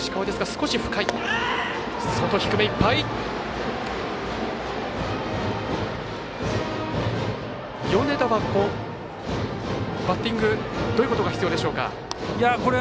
米田はバッティングどういうことが必要でしょうか。